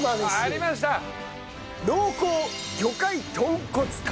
濃厚魚介豚骨釜飯。